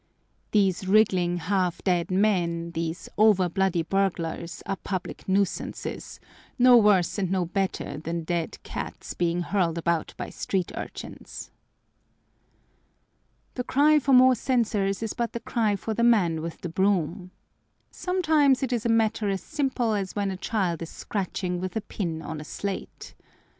These wriggling half dead men, these over bloody burglars, are public nuisances, no worse and no better than dead cats being hurled about by street urchins. The cry for more censors is but the cry for the man with the broom. Sometimes it is a matter as simple as when a child is scratching with a pin on a slate.